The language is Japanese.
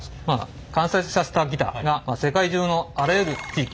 完成させたギターが世界中のあらゆる地域